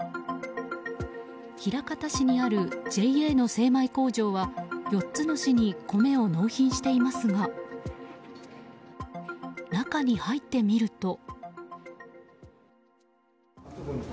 枚方市にあるＪＡの精米工場は４つの市に米を納品していますが中に入ってみると。